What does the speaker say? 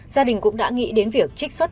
gia đình cũng đã nghĩ đến việc trích xuất